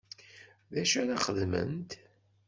D acu ara xedment?